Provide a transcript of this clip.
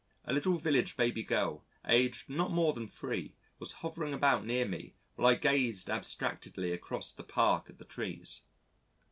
A little village baby girl aged not more than 3 was hovering about near me while I gazed abstractedly across the Park at the trees.